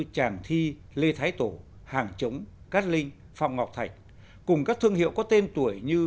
tràng thi lê thái tổ hàng chống cát linh phạm ngọc thạch cùng các thương hiệu có tên tuổi như